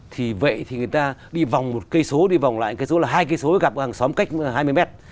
thì vậy thì người ta đi vòng một cây số đi vòng lại cái chỗ là hai cây số gặp hàng xóm cách hai mươi mét